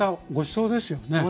そうですよね。